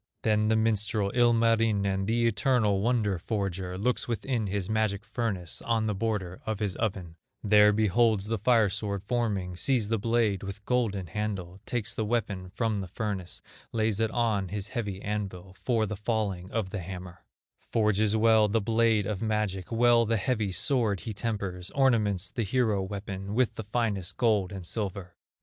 Then the minstrel, Ilmarinen, The eternal wonder forger, Looks within his magic furnace, On the border of his oven, There beholds the fire sword forming, Sees the blade with golden handle; Takes the weapon from the furnace, Lays it on his heavy anvil For the falling of the hammer; Forges well the blade of magic, Well the heavy sword he tempers, Ornaments the hero weapon With the finest gold and silver.